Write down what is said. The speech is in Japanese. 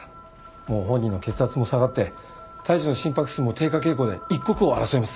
もう本人の血圧も下がって胎児の心拍数も低下傾向で一刻を争います。